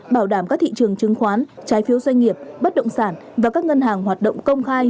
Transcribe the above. bảo đảm các thị trường chứng khoán trái phiếu doanh nghiệp bất động sản và các ngân hàng hoạt động công khai